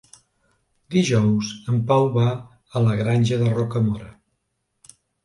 Dijous en Pau va a la Granja de Rocamora.